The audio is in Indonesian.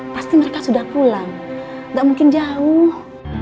pasti mereka sudah pulang gak mungkin jauh